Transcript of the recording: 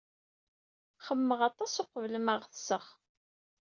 Xemmemeɣ aṭas uqbel ma ɣetseɣ.